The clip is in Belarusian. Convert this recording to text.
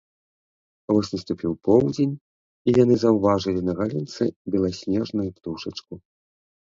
Вось наступіў поўдзень, і яны заўважылі на галінцы беласнежную птушачку